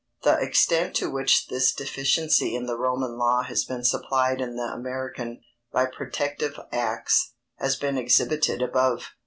_ The extent to which this deficiency in the Roman law has been supplied in the American, by "protective acts," has been exhibited above.